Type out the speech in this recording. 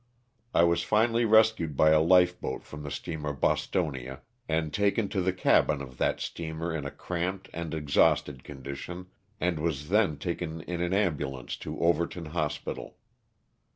I was finally rescued by a life boat from the steamer *' Bostonia" and taken to the cabin of that steamer in a cramped and exhausted condition, and was then taken in an ambulance to Overton hospital.